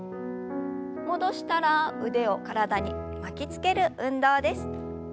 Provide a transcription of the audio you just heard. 戻したら腕を体に巻きつける運動です。